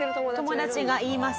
友達が言います。